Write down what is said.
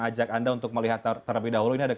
ajak anda untuk melihat terlebih dahulu ini ada